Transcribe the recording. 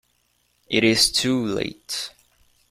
It is too late.